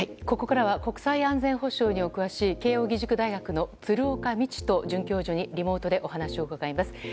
ここからは国際安全保障にお詳しい慶應義塾大学の鶴岡路人准教授にリモートでお話を伺います。